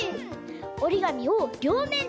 おりがみをりょうめん